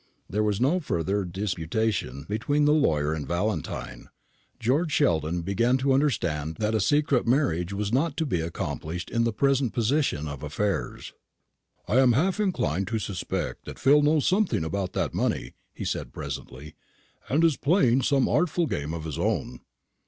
There was no further disputation between the lawyer and Valentine. George Sheldon began to understand that a secret marriage was not to be accomplished in the present position of affairs. "I am half inclined to suspect that Phil knows something about that money," he said presently, "and is playing some artful game of his own."